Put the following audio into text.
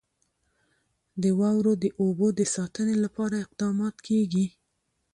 د واورو د اوبو د ساتنې لپاره اقدامات کېږي.